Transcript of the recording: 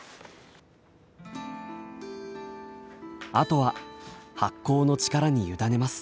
あとは発酵の力に委ねます。